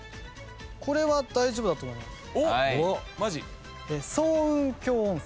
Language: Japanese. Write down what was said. これは大丈夫だと思います。